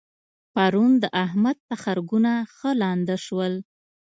پرون د احمد تخرګونه ښه لانده شول.